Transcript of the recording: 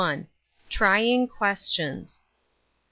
TBYING QUESTIONS.